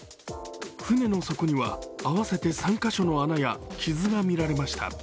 船の底には合わせて３カ所の穴や傷が見られました。